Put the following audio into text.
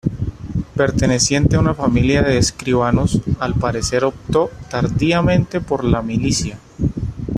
Perteneciente a una familia de escribanos, al parecer optó tardíamente por la milicia.